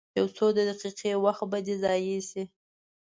یو څو دقیقې وخت به دې ضایع شي.